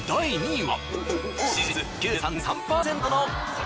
第１位は。